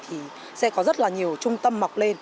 thì sẽ có rất là nhiều trung tâm mọc lên